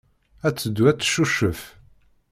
Ad teddu ad teccucef.